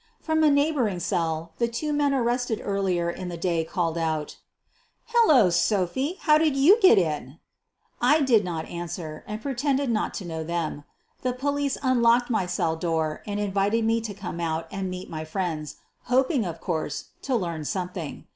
From a neighboring cell the two men arrested ear lier in the day called out: ' i Hello, Sophie, how did you get in 1 '' I did not answer, and pretended not to know them. The police unlocked my cell door and invited me to come out and meet my friends, hoping, of course, to learn something.